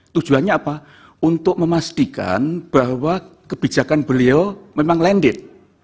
tujuannya apa untuk memastikan bahwa kebijakan beliau memang landed